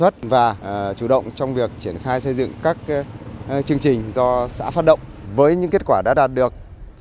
chủ động trong việc triển khai xây dựng các chương trình do xã phát động với những kết quả đã đạt được